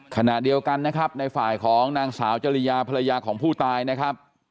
ขณะเดียวกันนะครับในฝ่ายของนางสาวจริยาภรรยาของผู้ตายนะครับ